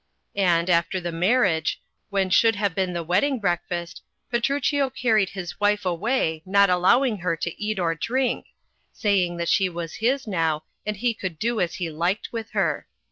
And, after the marriage, when should have been the wedding breakfast, Petruchio carried his wife away, not allowing her to eat or drink — saying that she was his now, and he could do as he liked with her.